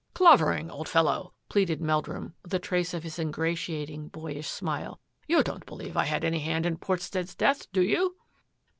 " Clavering, old fellow," pleaded Meldrum, with a trace of his ingratiating, boyish smile, " you don't believe I had any hand in Portstead's death, do you?"